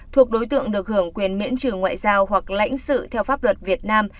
thuộc đối tượng được hưởng quyền miễn trừ ngoại giao hoặc lãnh sự theo pháp luật việt nam